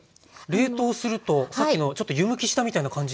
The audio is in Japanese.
冷凍するとさっきのちょっと湯むきしたみたいな感じに。